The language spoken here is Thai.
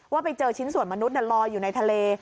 ว่าไปเจอชิ้นส่วนมนุษย์ลอยอยู่ในทะเล